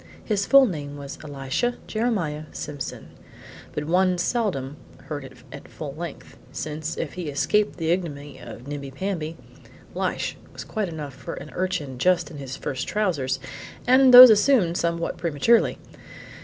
His full name was Elisha Jeremiah Simpson, but one seldom heard it at full length, since, if he escaped the ignominy of Nimbi Pamby, Lishe was quite enough for an urchin just in his first trousers and those assumed somewhat prematurely.